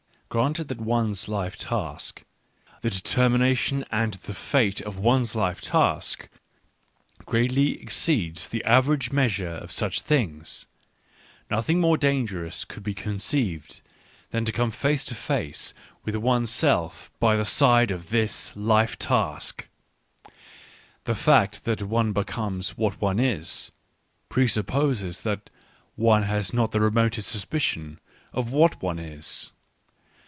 ... Granting that one's life task — the determination and the fate of one's life task — greatly exceeds the average measure of Digitized by Google WHY I AM SO CLEVER 49 such things, nothing more dangerous could be conceived than to come face to face with one's self by the side of this life task. The fact that one becomes what one is, presupposes that one has not the remotest suspicion of what one is.